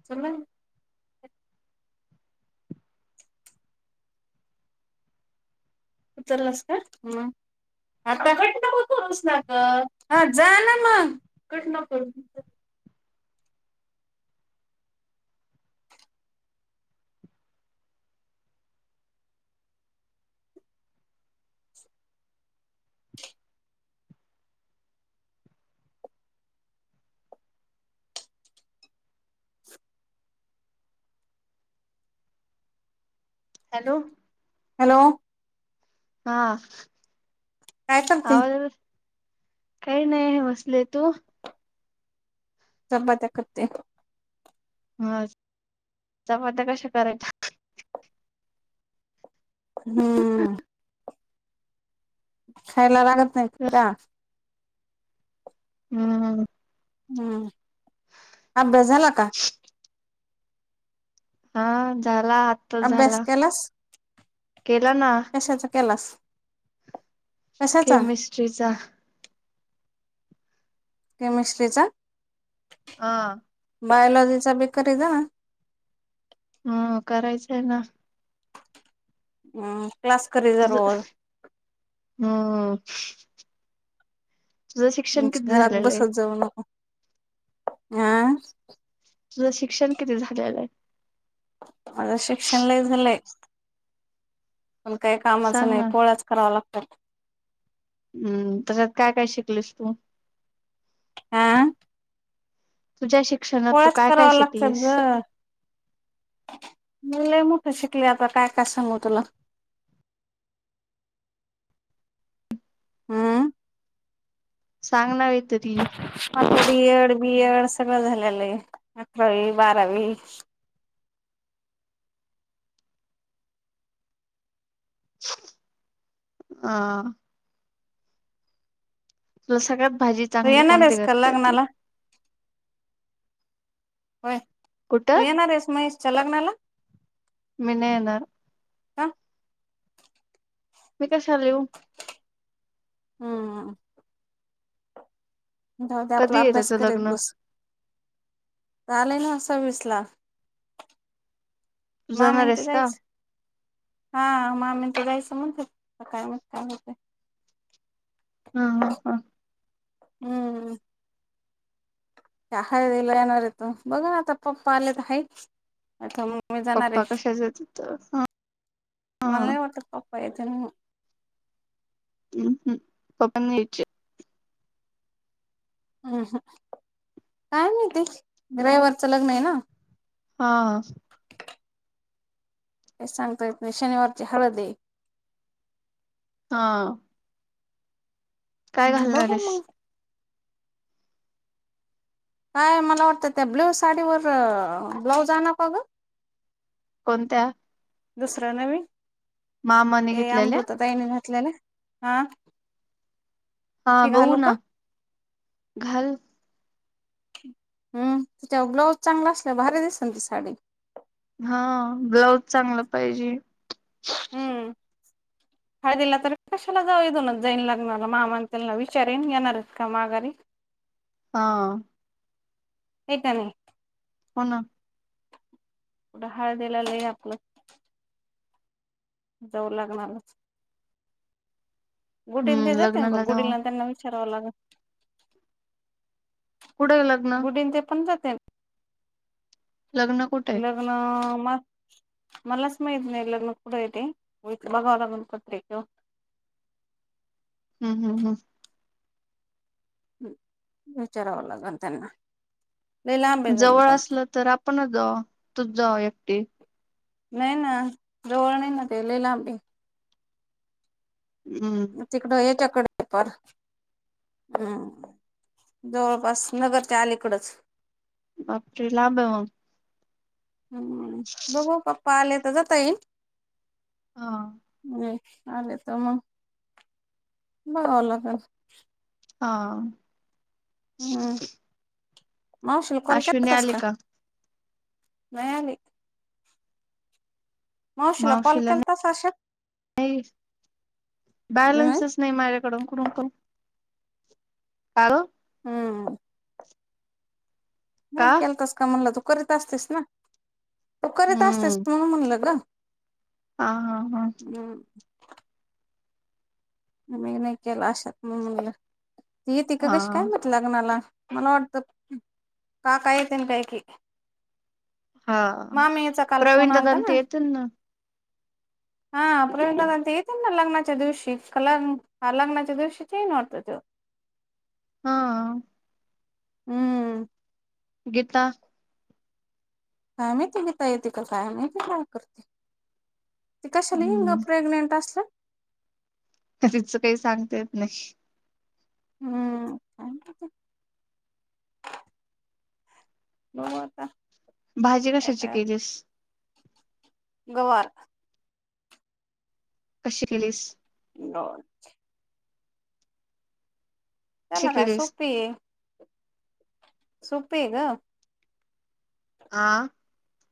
[unintelligible] तु चलास का? [unintelligible] आता कट नको करून ना गं, हा जाना मग कट नको करू. हॅलो. हॅलो. हा. काय करते आवाज येतोयं. काही नाही बसले. तू? चपात्या करते. हा. चपात्या कशा करायच्या. हम्म. खायला लागत नाही का? हम्म. हम्म. अभ्यास झाला का? हा. झाला आताच अभ्यास झाला. केलास केला ना. कशाचा केलास? कशाचा केमिस्ट्रीचा. केमिस्ट्रीचा. हा. बयलॉजीचा बी करित जावा. ह. करायचं हे ना. हम्. क्लास करील. [unintelligible] हम. तुझं शिक्षण किती घरात झालेलंये? बसत जाऊ [unintelligible] हा. तुझं शिक्षण किती झालेलं हाय? माझं शिक्षण लई झालंय. पण काही कामाचं सांग ना नाही. पोळ्याच कराव्या लागतात. हम्म. त्याच्यात काय काय शिकलीस तू? आं? तुझ्या शिक्षण- पोळ्याच कराव्या लागतात ग! मी लई मोठ शिकले. आता काय काय सांगू तुला? हम? सांग ना का तरी. आपल बी एड, डी एड सगळं झालेलं आहे. अकरावी बारावी- अं. तुला सगळ्यात भाजी तू चांगली येणार कोणती आहेस का करता येती? लग्नाला होय. तू कुठं येणार आहेस महेशच्या लग्नाला? मी नाही येणार. का मी कशाला येऊ? हम्म. दद्या आपला कधी आहे अभ्यास त्याचं करत लग्न बस. आलेय ना सव्वीसला. तू जाणार मामांच आहेस का [unintelligible] हा. मामींच [unintelligible] काय माहीत काय म्हणते. [unintelligible] हम्म. [unintelligible] बघ ना आता पप्पा आले तर हायेच आता- मी जाणार आहे पप्पा कशाचेत [unintelligible] मला नाही वाटत पप्पा येतील म्हणून. हम् हम्. पप्पाना - हम्. ह काय नाही तेच रविवारचं लग्न आहे ना? हा. ते सांगता येत नाही. शनिवारची हळद ए. हा. काय हं. घालणार बघा आहेस मंग. का हो, मला वाटतं त्या ब्ल्यू साडीवर ब्लाऊज आणावं का गं? कोणत्या? दुसरं नवीन? मामाने ते घेतलेल्या अमृता ताईनी घातल ना. हा. हा ती बघू घालू का ना. घालू - हम्. तिचा ब्लाऊज चांगला असला, भारी दिसेल ती साडी. हा. ब्लाऊज चांगला पाहिजे. हम्म हळदीला तर कशाला जाऊ? इथूनच जाईन लग्नाला मामान त्यांना विचारेन येणारेत का माघारी? हा. हाय का नाही? हा ना. हळदीला लई आपलं- जाऊ लग्नालाच. गुडीं ते हम्म जाते ना लग्नाला बघ. जाऊ गुडीना त्यांना विचारावं लागल. कुडे मग? गुडी न ते तुमच्या [unintelligible] लग्न कुठेए? आं मग? मलाच माहित नाही लग्न कुठे आहे ते. बघाव लागल पत्रिका. हम् हम् हम. विचारावं लागेल त्यांना लय लांब आहे जण जवळ पण असलं तर आपणच जाऊ तू जा एकटी नाही ना जवळ नाय ना ते लय लांब आहे हम्म. आहे तिकडं हेच्याकडे प [unintelligible] हम्म जवळपास नगरच्या आलीकडंच [unintelligible] हम्म बघू पप्पा आले तर जाता येईल हा. हम्म आले तर मग बघवल तर हा. हम्म. मावशील कॉल अश्विनी केलतास आली का? नाय आली कॉल मावशीला केलतास आशा नाही बॅलेंसच नाही माझ्याकडून कुठून करू? काल हम्म. का नाही केलतस का म्हणलं तू करीत असतेस ना तू करीत असतेस हम्म म्हणून म्हणलं ग हा हा हा. हम्म. मी नाही केला अशा म्हणून म्हणलं ती येती का कशी काय हा म्हटलं [unintelligible] मला वाटत काका येतान कायकी हा मामीचा काल फोन प्रवीण आलता दादान ते ना येतील हा प्रवीण दादा अन ते येतील ना लग्नाच्या दिवशी कलांग हा लग्नाच्या दिवशीच येईल वाटत त्यो हा. हम्म. गीता काय माहिती गीता येते का, काय माहिती काय करते ती कशाला येईल ग हम्म प्रेग्नेंट अस तिचं काही सांगता येत नाही हम्म. बघू आता भाजी काय कशाची काय केलीस? गवार कशी केलीस? [unintelligible] कशी त्याला काय केलीस सोपी आहे. सोप्पी आहे ग हा.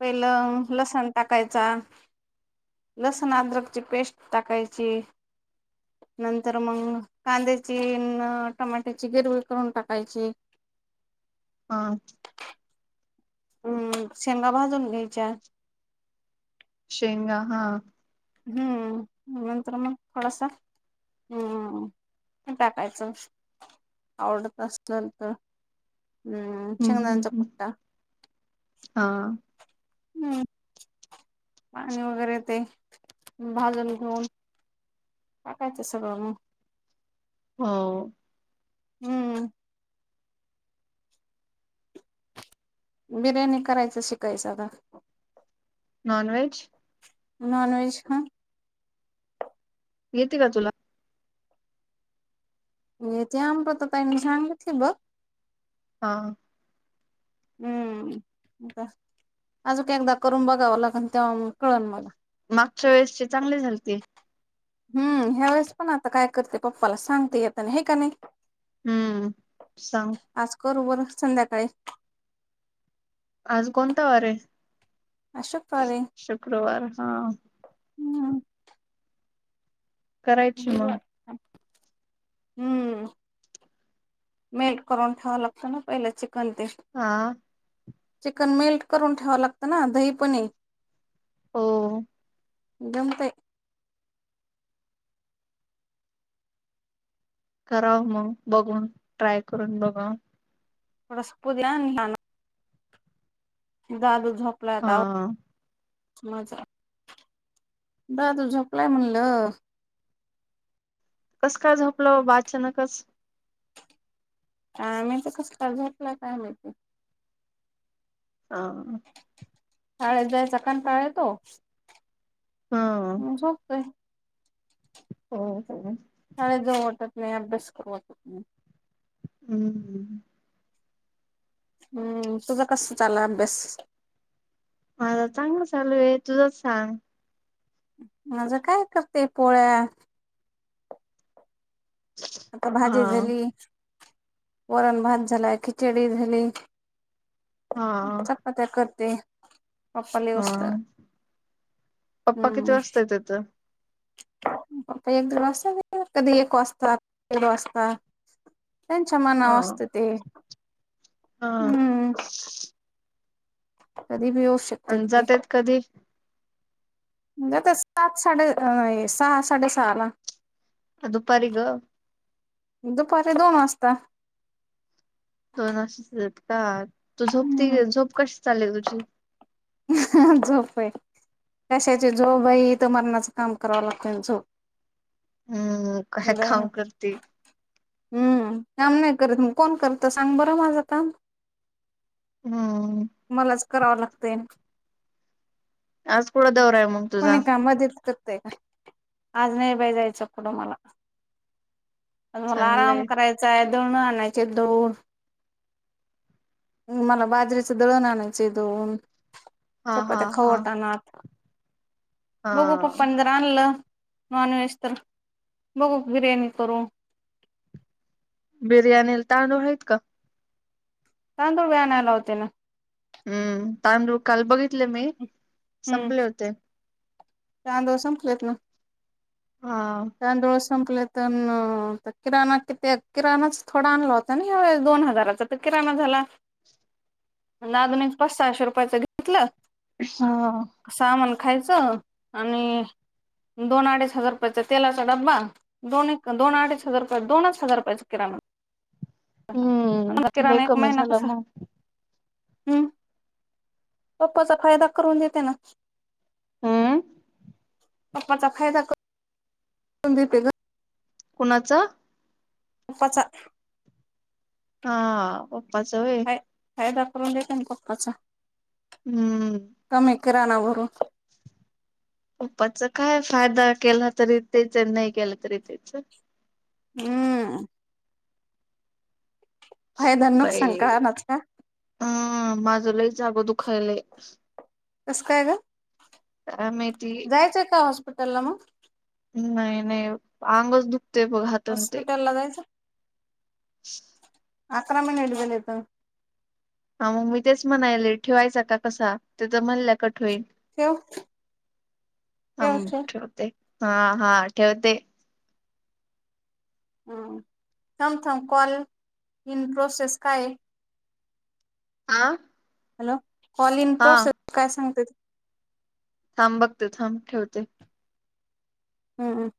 पहिलं लसण टाकायचा लसण अद्रकची पेस्ट टाकायची नंतर मग कांद्याची अन टमाट्याची ग्रेव्ही करून टाकायची हा. हम्म शेंगा भाजून घ्यायच्या शेंगा हा हम्म नंतर मग थोडासा हम्म हे टाकायचं आवडत असल तर हम्म हम्म शेंगदाण्याचा हम्म कुट्टा हा हम्म पाणी वगैरे ते भाजून घेऊन काकाच सगळ मग. हो. हम्म. बिर्याणी करायचं शिकायचं आता. नॉनव्हेज. नॉनव्हेज का. येते का तुला. ते आमब तर काही [unintelligible] बघ. हा. हम्म का अजूक एकदा करून बघावं लागण तेव्हा कळल मला. मागच्या वेळेसचे चांगले झालते. हम्म ह्यावेळेस पण आता काय करते पप्पाला सांगते येता हे का नाही. हम्म सांग आज करू बर संध्याकाळी आज कोणता वार आहे आज शुक्रवार आहे शुक्रवार हा. हम्म. करायची बघू मग आता थांब हम्म. मेल्ट करून ठेवा लागतं ना पहिलं चिकन ते. हा. चिकन मेल्ट करून ठेवा लागतं ना दहीपणे हो. जमते. करा मग बघून ट्राय करून बघा. थोड. [unintelligible] दादू झोपला होता. हा मजा दादु झोपलाय म्हणलं. कस काय झोपलो बा अचानकच. काय ती कस काय झोपला काय माहिती. हा. शाळेत जायचा कंटाळा येतो. ह म झोपतोय. हो हो. शाळेत जाऊ वाटत नाही अभ्यास करू वाटत नाही. हम्म. हम्म तुझं कस चाला अभ्यास. माझा चांगला चालू आहे तुझंच सांग. माझं काय करते पोळ्या. आता हा भाजी झाली वरण भात झालाय खिचडी झाली. हा. आत्ता करते. पप्पाला हा येऊस तोर पप्पा किती हम्म. वाजता येतात [unintelligible] एक दीड वाजता कधी एक वाजता दीड वाजता. त्यांच्या मना हा वर असत ते हा हम्म. कधी बी येऊ शक आणि जात्यात कधी? नकस सात साडे अ य सहा साडे सहा ला. अ दुपारी ग. दुपारी दोन वाजता. दोन वा [unintelligible] का तू झोप हम्म त झोप कशी चालेल तुझी. [unintelligible] झोप हे. कशाची जोब आहेथ मरणाचं काम करावं लागतो झो हम्म काय काम करते. हम् काम नाही करत मग कोण करत सांग बरं माझं काम हम. मलाच कराव लागत. आज कुड दवरा आहे मग कोुणी तुझा काम देत कर ते का आज नाही बा जायचं कडं मला आ म्हाला आराम चांगलंय करायचा आहे दोन आणायचे दोन मला बाजरीचं दळण आणायच दन हा हा चपात्या हा खवट आणता. [unintelligible] हा बलं नॉन व्हेज तर बघू बिर्याणी करू. बिर्याणी तांदूळ आहेत का? त्या तो व्या आणायला होते ना. हम्म ताम र काल बघितले मी संपले होते. त्यादोस केेतं. हा. तांदूळ संपले तर तर किराणा किती किराणाच थोडा आणला होता. दोन हजाराचा तर किराणा झाला. [inaudible] अजूनिक पच सहाशे रुपयाचं घेतलं. हा. सामान खायचं आणि दोन अडीच हजार रुपयाच. तेलाचा डब्बा दोन दोन अडीच हजार रुपये दोनच हजार रुपयाचा किराणा. हम्म लय किराण एक कमी महिना झाला कसा. मग हम् पप्पाचा फायदा करून देते ना. हम. अप्पाचााय तक. [unintelligible] कोुणाचं? पच. हा पप्पाचय फाय- फायदा करून देत आणि पक््पाचा हम्म. कमी करा ना बरू. पूप्पाचा काय फायदा केला तरी तेच नाही केलं तरी तेच. हम्म. फायदा बाई नुकसान कळणाच का हम माझ लही जागं दुखायलाय. कसं काय ग काय माहिती जायचंय का हॉस्पिटल ला मग नाही नाही अंगच दुखते प हातन ते. लाच. अकरा म झाले येत. हा मग मी तेच म्हणायले ठेवायचा का कसा ते तर म्हणल्या कठ होईल. ठेव आ ठेव ठेव ठेवते हा हा ठेवते. थम थम कॉल इन प्रोसेस काय. आं. हॅलो कॉल इन प्रोसेस काय सांगते त. थांब बघते थांब ठेवते. हम्म.